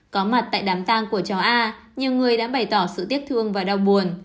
có mặt tại đám tăng của cháu a nhiều người đã bày tỏ sự tiếc thương và đau buồn